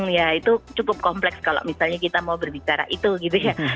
ya itu cukup kompleks kalau misalnya kita mau berbicara itu gitu ya